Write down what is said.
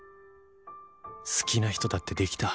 好きな人だってできた